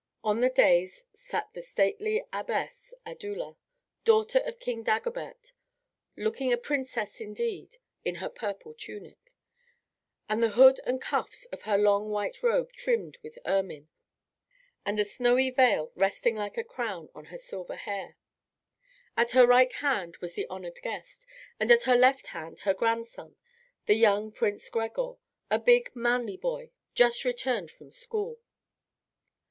On the dais sat the stately Abbess Addula, daughter of King Dagobert, looking a princess indeed, in her purple tunic, with the hood and cuffs of her long white robe trimmed with ermine, and a snowy veil resting like a crown on her silver hair. At her right hand was the honoured guest, and at her left hand her grandson, the young Prince Gregor, a big, manly boy, just returned from school.